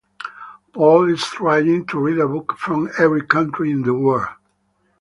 Paul is trying to read a book from every country in the world.